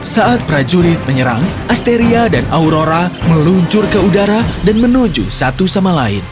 saat prajurit menyerang asteria dan aurora meluncur ke udara dan menuju satu sama lain